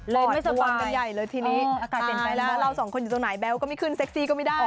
เล่นไม่สบายอากาศเป็นไปแล้วเราสองคนอยู่ตรงไหนแบ๊วก็ไม่ขึ้นเซ็กซี่ก็ไม่ได้